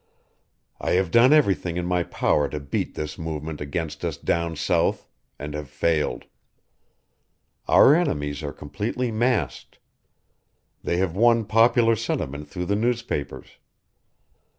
I have done everything in my power to beat this movement against us down south, and have failed. Our enemies are completely masked. They have won popular sentiment through the newspapers.